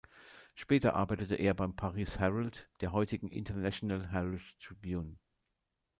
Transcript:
Später arbeitete er beim "Paris Herald", der heutigen "International Herald Tribune".